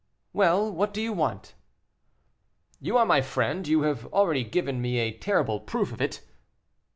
"Well, what do you want?" "You are my friend; you have already given me a terrible proof of it."